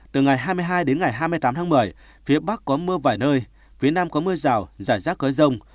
từ ngày hai mươi hai đến ngày hai mươi tám tháng một mươi phía bắc có mưa vài nơi phía nam có mưa rào rải rác có rông